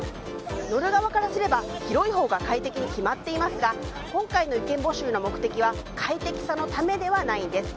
乗る側からすれば広いほうが快適に決まっていますが今回の意見募集の目的は快適さのためではないんです。